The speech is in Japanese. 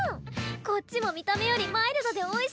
こっちも見た目よりマイルドでおいしい！